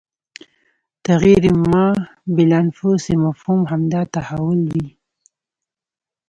تغیر ما بالانفس مفهوم همدا تحول وي